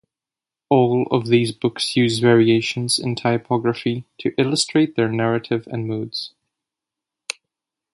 All of these books use variations in typography to illustrate their narrative and moods.